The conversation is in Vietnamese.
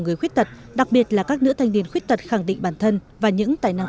người khuyết tật đặc biệt là các nữ thanh niên khuyết tật khẳng định bản thân và những tài năng